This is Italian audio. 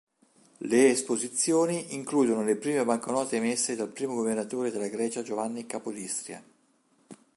Le esposizioni includono le prime banconote emesse dal primo governatore della Grecia Giovanni Capodistria.